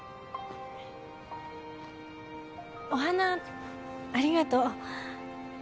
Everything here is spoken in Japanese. お花ありがとう。